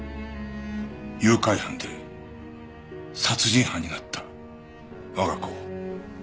誘拐犯で殺人犯になった我が子を。